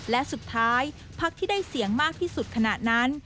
และสุดท้ายพักที่ได้เสียงมากที่สุดขณะนั้น